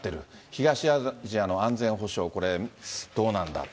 東アジアの安全保障、これ、どうなんだ。